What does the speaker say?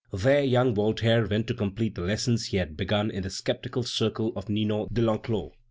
There young Voltaire went to complete the lessons he had begun in the sceptical circle of Ninon de l'Enclos.